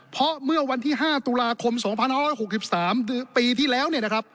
เพราะเมื่อวันที่๕ตุลาคม๒๖๖๓ปีที่แล้ว